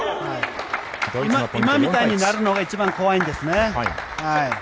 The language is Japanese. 今みたいになるのが一番怖いんですね。